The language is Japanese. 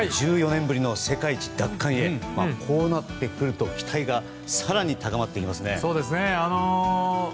１４年ぶりの世界一奪還へこうなってくると期待が更に高まってきますね。